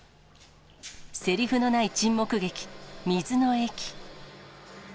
せりふのない沈黙劇、水の駅。